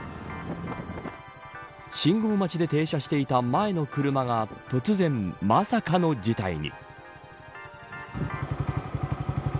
信号待ちで停車していた前の車が突然まさかの事態に。